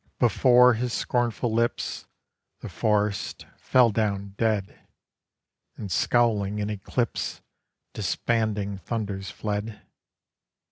Before his scornful lips The forests fell down dead, And scowling in eclipse Disbanding thunders fled.